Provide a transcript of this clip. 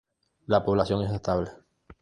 La población es estable.